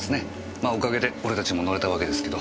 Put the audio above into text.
まあおかげで俺たちも乗れたわけですけど。